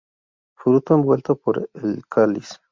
Fruto envuelto por el cáliz.